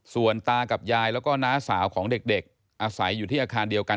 ส่วนตากับยายแล้วก็น้าสาวของเด็กอาศัยอยู่ที่อาคารเดียวกัน